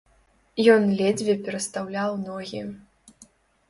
Ён ледзьве перастаўляў ногі.